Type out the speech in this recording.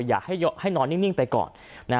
อยากให้นอนนิ่งไปก่อน